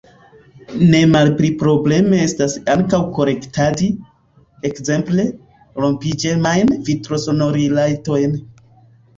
Ne malpli probleme estas ankaŭ kolektadi, ekzemple, rompiĝemajn vitrosonoriletojn.